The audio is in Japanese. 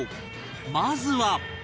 まずは